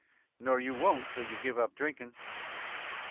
"Nor you won't till you give up drinkin'."